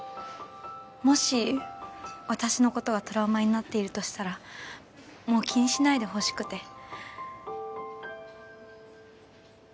もし私のことがトラウマになっているとしたらもう気にしないでほしくて。